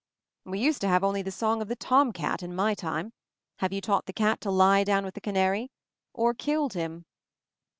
"We used to have only the song of the tomcat in my time. Have you taught the cat to lie down with the canary — or killed him?"